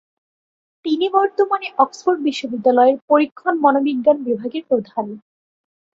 তিনি বর্তমানে অক্সফোর্ড বিশ্ববিদ্যালয়ের পরীক্ষণ মনোবিজ্ঞান বিভাগের প্রধান।